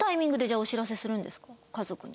家族に。